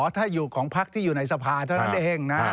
ถ้าอยู่ของพักที่อยู่ในสภาเท่านั้นเองนะ